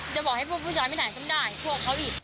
จะบอกให้พวกผู้ชายไม่ถ่ายซ้ำได้พวกเขาอีก